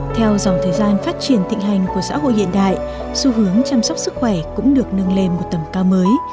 theo dòng thời gian phát triển thịnh hành của xã hội hiện đại xu hướng chăm sóc sức khỏe cũng được nâng lên một tầm cao mới